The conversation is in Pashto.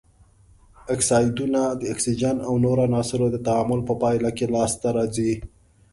اکسایدونه د اکسیجن او نورو عناصرو تعامل په پایله کې لاس ته راځي.